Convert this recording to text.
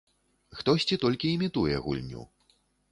Хтосьці толькі імітуе гульню.